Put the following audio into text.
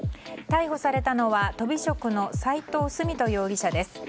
逮捕されたのはとび職の齋藤澄人容疑者です。